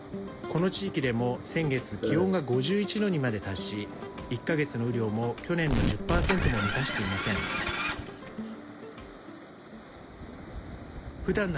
この地域でも、先月気温が５１度にまでに達し１か月の雨量も去年の１０％も満たしていません。